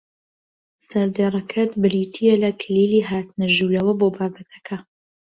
سەردێڕەکەت بریتییە لە کلیلی هاتنە ژوورەوە بۆ بابەتەکە